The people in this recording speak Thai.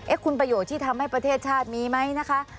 คุณประโยชน์ที่ทำให้ประเทศชาติมีไหมนะคะ